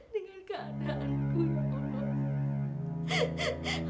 dengan keadaanku ya allah